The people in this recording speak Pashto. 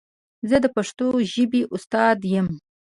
زه د پښتو ژبې استاد یم.